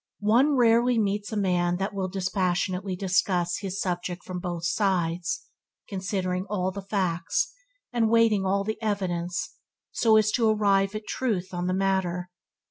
One rarely meets a man that will dispassionately discuss his subject from both sides, considering all the facts and weighing all the evidence so as to arrive at truth on the matter.